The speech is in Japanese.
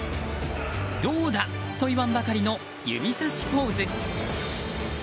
どうだと言わんばかりの指差しポーズ。